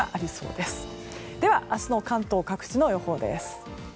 では、明日の関東各地の予報です。